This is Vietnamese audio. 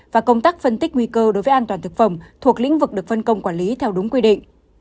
và công tác phân tích nguy cơ đối với an toàn thực phẩm thuộc lĩnh vực được phân công quản lý theo đúng quy định